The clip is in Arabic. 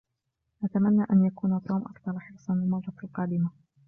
أتمنى ان يكون توم أكثر حرصاً المرة القادمة.